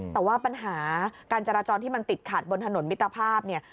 แต่ว่าปัญหาการจราจรที่มันติดขัดบนถนนมิตรภาพเนี่ย